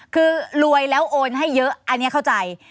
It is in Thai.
คือรวยแล้วโอนให้เยอะอันนี้เข้าใจ